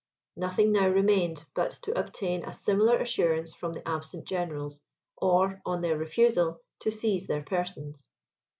Nothing now remained, but to obtain a similar assurance from the absent generals, or, on their refusal, to seize their persons.